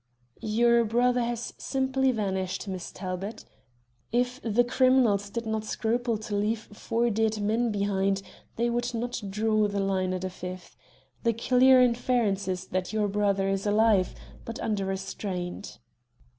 "Your brother has simply vanished, Miss Talbot. If the criminals did not scruple to leave four dead men behind, they would not draw the line at a fifth. The clear inference is that your brother is alive, but under restraint."